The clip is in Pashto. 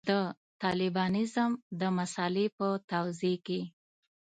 د طالبانیزم د مسألې په توضیح کې.